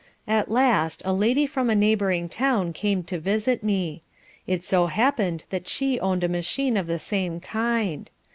At last a lady from a neighbouring town came to visit me. It so happened that she owned a machine of the same kind.